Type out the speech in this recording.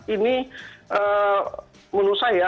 ini menurut saya